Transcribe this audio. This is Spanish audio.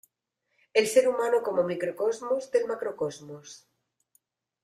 El ser humano como microcosmos del macrocosmos.